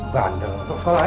bandel masuk sekolah ya